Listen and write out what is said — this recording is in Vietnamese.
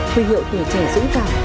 huy hiệu tuổi trẻ dũng cảm